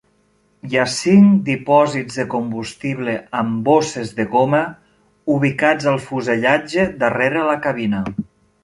Hi ha cinc dipòsits de combustible amb bosses de goma ubicats al fusellatge darrere la cabina.